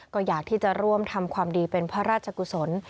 ก็อยากที่จะร่วมทำความดีเป็นพระราชกุศล